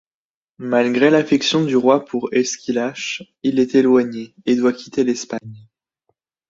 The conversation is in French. Malgré l'affection du roi pour Esquilache, il est éloigné, et doit quitter l'Espagne.